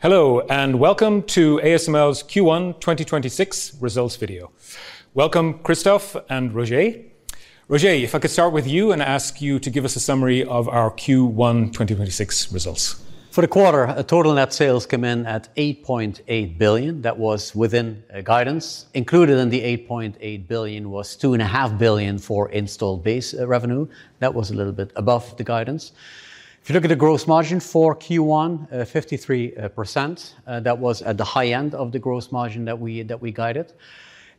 Hello, and welcome to ASML's Q1 2026 results video. Welcome, Christophe and Roger. Roger, if I could start with you and ask you to give us a summary of our Q1 2026 results. For the quarter, total net sales came in at 8.8 billion. That was within guidance. Included in the 8.8 billion was 2.5 billion for installed base revenue. That was a little bit above the guidance. If you look at the gross margin for Q1, 53%, that was at the high end of the gross margin that we guided.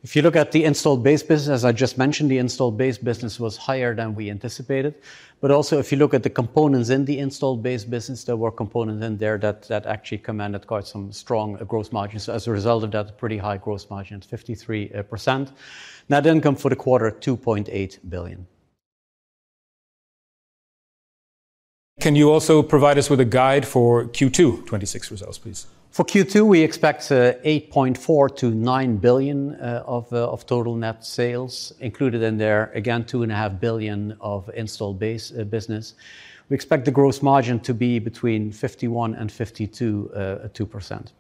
If you look at the installed base business, as I just mentioned, the installed base business was higher than we anticipated. Also, if you look at the components in the installed base business, there were components in there that actually commanded quite some strong gross margins. As a result of that, pretty high gross margin at 53%. Net income for the quarter, 2.8 billion. Can you also provide us with a guide for Q2 2026 results, please? For Q2, we expect 8.4 billion-9 billion of total net sales. Included in there, again, 2.5 billion of installed base business. We expect the gross margin to be between 51% and 52%.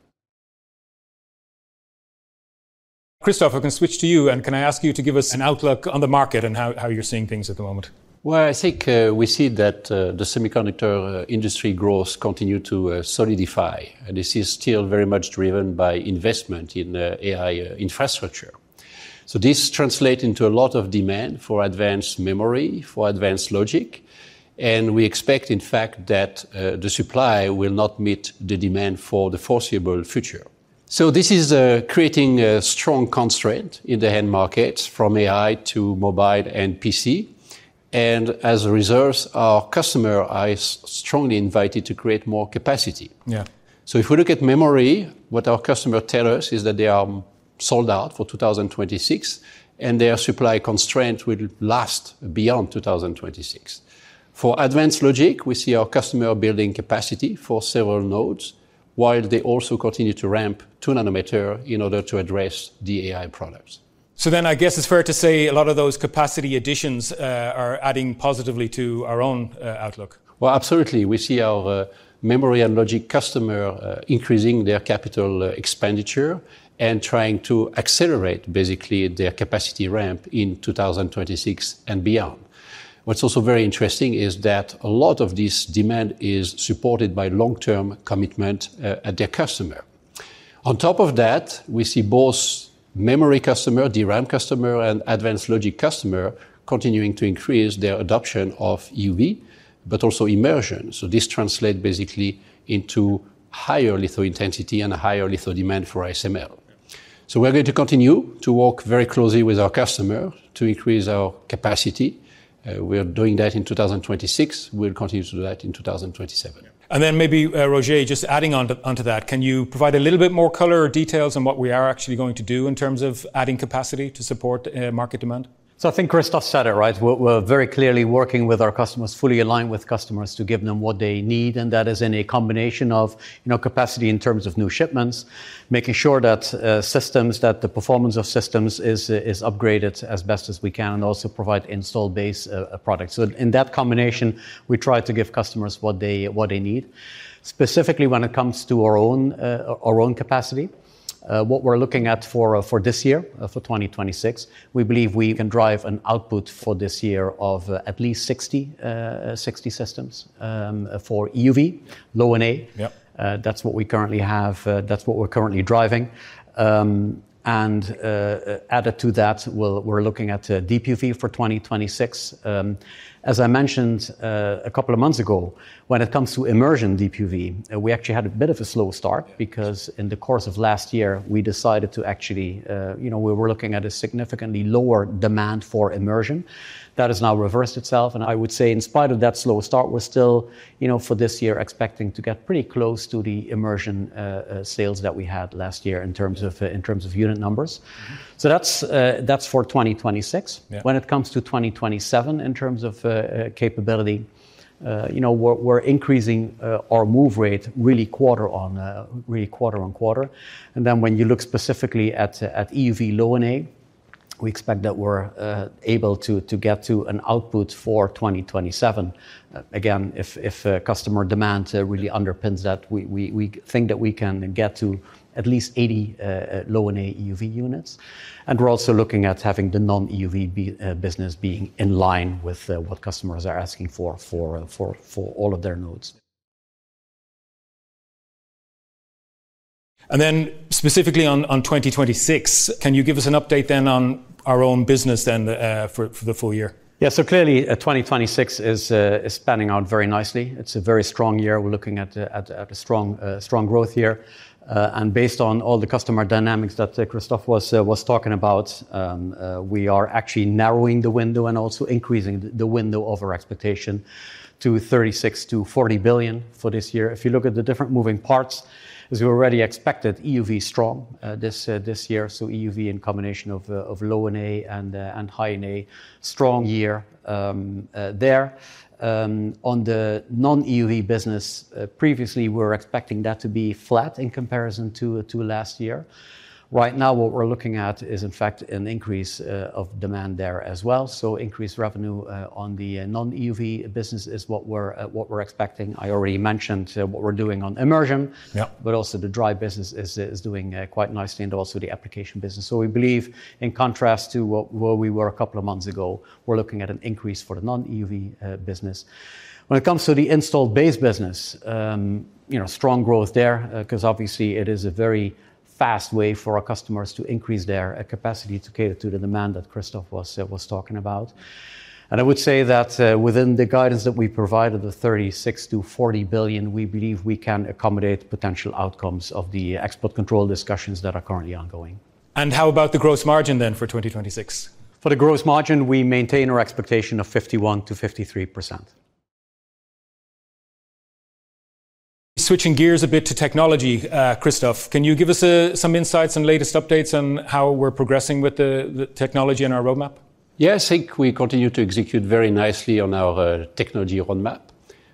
Christophe, I can switch to you. Can I ask you to give us an outlook on the market and how you're seeing things at the moment? Well, I think we see that the semiconductor industry growth continue to solidify. This is still very much driven by investment in AI infrastructure. This translate into a lot of demand for advanced memory, for advanced logic, and we expect, in fact, that the supply will not meet the demand for the foreseeable future. This is creating a strong constraint in the end market from AI to mobile and PC. As a result, our customer is strongly invited to create more capacity. If we look at memory, what our customer tell us is that they are sold out for 2026, and their supply constraint will last beyond 2026. For advanced logic, we see our customer building capacity for several nodes, while they also continue to ramp 2 nm in order to address the AI products. I guess it's fair to say a lot of those capacity additions are adding positively to our own outlook. Well, absolutely. We see our memory and logic customer increasing their capital expenditure and trying to accelerate basically their capacity ramp in 2026 and beyond. What's also very interesting is that a lot of this demand is supported by long-term commitment at their customer. On top of that, we see both memory customer, DRAM customer, and advanced logic customer continuing to increase their adoption of EUV, but also immersion. This translate basically into higher litho intensity and a higher litho demand for ASML. We're going to continue to work very closely with our customer to increase our capacity. We are doing that in 2026. We'll continue to do that in 2027. Maybe, Roger, just adding onto that, can you provide a little bit more color or details on what we are actually going to do in terms of adding capacity to support market demand? I think Christophe said it, right? We're very clearly working with our customers, fully aligned with customers to give them what they need, and that is in a combination of capacity in terms of new shipments, making sure that the performance of systems is upgraded as best as we can, and also provide installed base products. In that combination, we try to give customers what they need. Specifically when it comes to our own capacity, what we're looking at for this year, for 2026, we believe we can drive an output for this year of at least 60 systems for EUV Low NA. That's what we currently have. That's what we're currently driving. Added to that, we're looking at Deep UV for 2026. As I mentioned a couple of months ago, when it comes to immersion Deep UV, we actually had a bit of a slow start because in the course of last year, we were looking at a significantly lower demand for immersion. That has now reversed itself, and I would say in spite of that slow start, we're still, for this year, expecting to get pretty close to the immersion sales that we had last year in terms of unit numbers. That's for 2026. When it comes to 2027, in terms of capability, we're increasing our move rate really quarter-on-quarter. When you look specifically at EUV Low NA, we expect that we're able to get to an output for 2027. Again, if customer demand really underpins that, we think that we can get to at least 80 Low NA EUV units. We're also looking at having the non-EUV business being in line with what customers are asking for all of their nodes. Specifically on 2026, can you give us an update then on our own business then for the full year? Yeah. Clearly, 2026 is panning out very nicely. It's a very strong year. We're looking at a strong growth year. Based on all the customer dynamics that Christophe was talking about, we are actually narrowing the window and also increasing the window of our expectation to 36 billion-40 billion for this year. If you look at the different moving parts, as we already expected, EUV strong this year, so EUV in combination of Low NA and High NA. Strong year there. On the non-EUV business, previously we were expecting that to be flat in comparison to last year. Right now what we're looking at is, in fact, an increase of demand there as well. Increased revenue on the non-EUV business is what we're expecting. I already mentioned what we're doing on immersion. Also the dry business is doing quite nicely and also the application business. We believe, in contrast to where we were a couple of months ago, we're looking at an increase for the non-EUV business. When it comes to the installed base business, strong growth there, because obviously it is a very fast way for our customers to increase their capacity to cater to the demand that Christophe was talking about. I would say that within the guidance that we provided, the 36 billion-40 billion, we believe we can accommodate potential outcomes of the export control discussions that are currently ongoing. How about the gross margin then for 2026? For the gross margin, we maintain our expectation of 51%-53%. Switching gears a bit to technology, Christophe, can you give us some insights and latest updates on how we're progressing with the technology and our roadmap? Yeah, I think we continue to execute very nicely on our technology roadmap.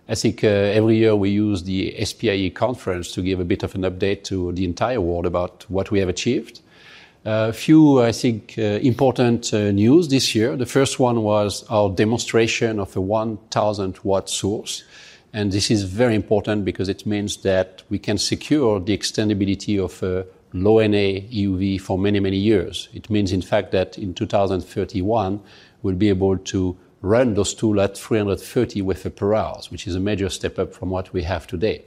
I think every year we use the SPIE conference to give a bit of an update to the entire world about what we have achieved. A few, I think, important news this year. The first one was our demonstration of the 1,000 W source. This is very important because it means that we can secure the extendibility of Low NA EUV for many, many years. It means, in fact, that in 2031 we'll be able to run those tools at 330 wafers per hour, which is a major step up from what we have today.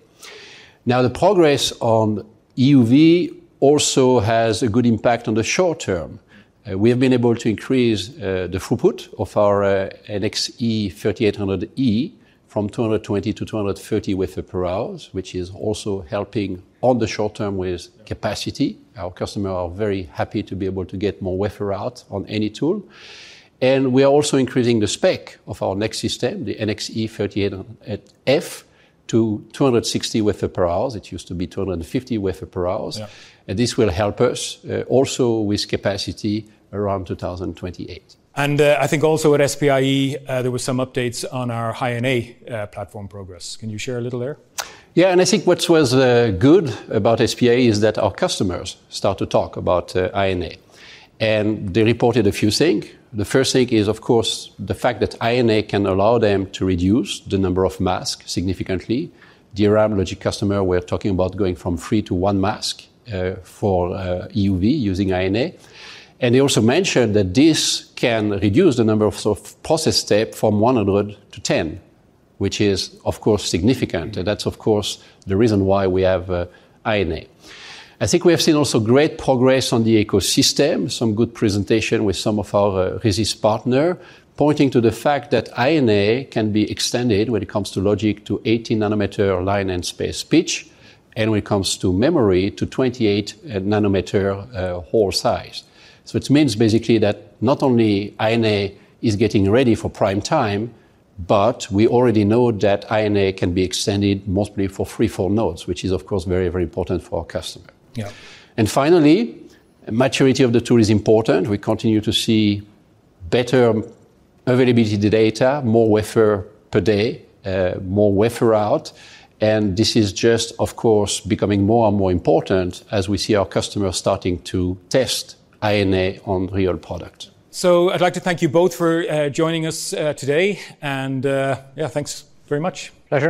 Now, the progress on EUV also has a good impact on the short term. We have been able to increase the throughput of our NXE:3800E from 220-230 wafers per hour, which is also helping on the short term with capacity. Our customer are very happy to be able to get more wafer out on any tool. We are also increasing the spec of our next system, the NXE:3800F, to 260 wafer per hours. It used to be 250 wafer per hours. This will help us also with capacity around 2028. I think also at SPIE, there were some updates on our High NA platform progress. Can you share a little there? Yeah, I think what was good about SPIE is that our customers start to talk about High NA, and they reported a few things. The first thing is, of course, the fact that High NA can allow them to reduce the number of masks significantly. DRAM logic customer, we are talking about going from three to one masks for EUV using High NA. They also mentioned that this can reduce the number of process steps from 100 to 10, which is, of course, significant. That's, of course, the reason why we have High NA. I think we have seen also great progress on the ecosystem, some good presentations with some of our resist partners, pointing to the fact that High NA can be extended when it comes to logic to 18 nm line and space pitch, and when it comes to memory, to 28 nm hole size. It means basically that not only High NA is getting ready for prime time, but we already know that High NA can be extended mostly for three, four nodes, which is of course very important for our customer. Finally, maturity of the tool is important. We continue to see better availability, the data, more wafer per day, more wafer out, and this is just, of course, becoming more and more important as we see our customers starting to test High NA on real product. I'd like to thank you both for joining us today, and yeah, thanks very much. Pleasure.